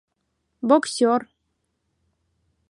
Боксёр!